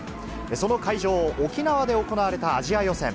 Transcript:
その会場、沖縄で行われたアジア予選。